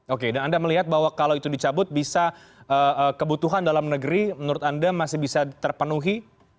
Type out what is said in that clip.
oke dan anda melihat bahwa kalau itu dicabut bisa kebutuhan dalam negeri menurut anda masih bisa terpenuhi